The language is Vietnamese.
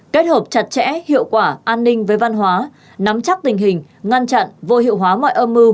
kết hợp chặt chẽ hiệu quả an ninh với văn hóa nắm chắc tình hình ngăn chặn vô hiệu hóa mọi âm mưu